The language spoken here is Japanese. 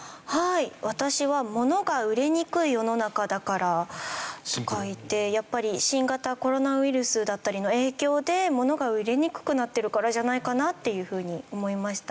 私はものが売れにくい世の中だからと書いてやっぱり新型コロナウイルスだったりの影響でものが売れにくくなってるからじゃないかなっていうふうに思いました。